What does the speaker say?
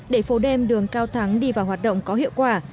để phố đêm đường cao thắng đi vào hoạt động có hiệu quả